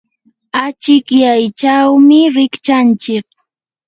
achikyaychawmi rikchanchik.